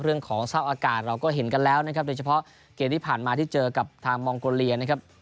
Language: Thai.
สภาพเศร้าอากาศเราก็เห็นกันแล้วนะครับโดยเฉพาะเกมที่ผ่านมาที่เจอกับทางมองโกเลียนะครับ